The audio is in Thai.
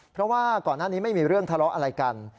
เพราะว่าก่อนหน้านี้ไม่มีเรื่องทะเลาะอะไรกัน